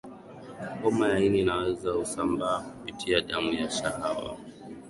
homa ya ini inaweza husambaa kupitia damu na shahawa